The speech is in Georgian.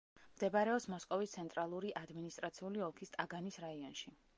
მდებარეობს მოსკოვის ცენტრალური ადმინისტრაციული ოლქის ტაგანის რაიონში.